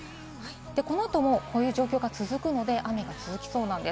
この後もこういう状況が続くので、雨が続きそうです。